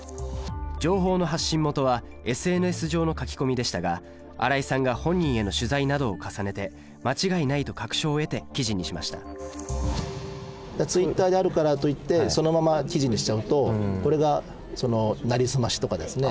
情報の発信元はＳＮＳ上の書き込みでしたが荒井さんが本人への取材などを重ねて間違いないと確証を得て記事にしましたツイッターであるからといってそのまま記事にしちゃうとこれがなりすましとかですね